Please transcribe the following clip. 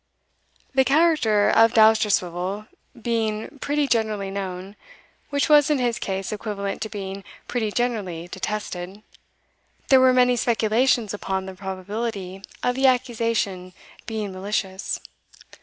The character of Dousterswivel being pretty generally known, which was in his case equivalent to being pretty generally detested, there were many speculations upon the probability of the accusation being malicious.